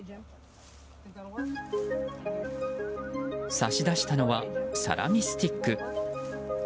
差し出したのはサラミスティック。